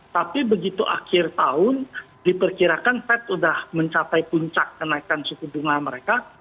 tapi begitu akhir tahun diperkirakan fed sudah mencapai puncak kenaikan suku bunga mereka